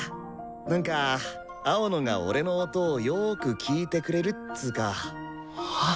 なんか青野が俺の音をよく聴いてくれるっつか。